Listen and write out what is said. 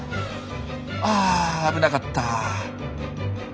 あ危なかった。